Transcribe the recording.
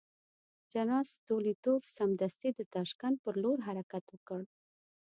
جنرال ستولیتوف سمدستي د تاشکند پر لور حرکت وکړ.